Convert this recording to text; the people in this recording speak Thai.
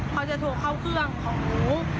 เขาจะโทรเข้าเครื่องของหนู